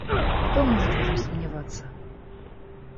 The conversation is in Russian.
Кто может в этом сомневаться?